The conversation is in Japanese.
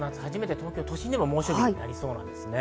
東京都心でも猛暑日になりそうです。